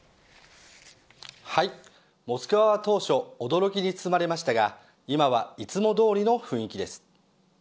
はいモスクワは当初驚きに包まれましたが今はいつも通りの雰囲気です。